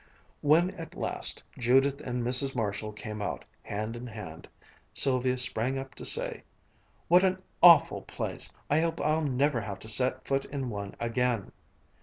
When, at last, Judith and Mrs. Marshall came out, hand in hand, Sylvia sprang up to say: "What an awful place! I hope I'll never have to set foot in one again!"